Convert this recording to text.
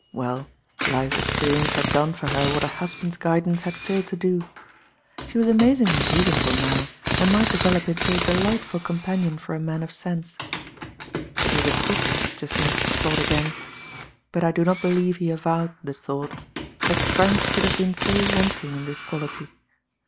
Well, life's expe rience had done for her what a husband's guid ance had failed to do. She was amazingly reason able now, and might develop into a delightful companion for a man of sense. It was a pity, Jacynth thought again, but I do not believe he avowed the thought, that Frank should have been so wanting in this quality.